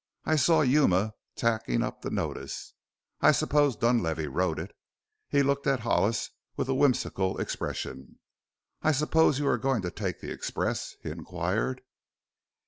I saw Yuma tacking up the notice. I suppose Dunlavey wrote it." He looked at Hollis with a whimsical expression. "I suppose you are going to take the express?" he inquired.